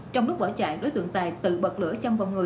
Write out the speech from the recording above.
trong lúc bỏ chạy đối tượng tài tự bật lửa chăm vào người